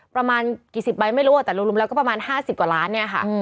ประมาณกี่สิบใบไม่รู้แต่รวมแล้วก็ประมาณ๕๐กว่าล้านเนี่ยค่ะ